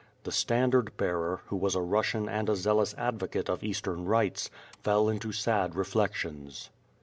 The stand ard bearer, who was a Russian and a zealous advocate of Eastern Rites, fell into sad reflections.